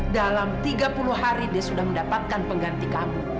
dalam tiga puluh hari dia sudah mendapatkan pengganti kamu